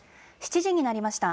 ７時になりました。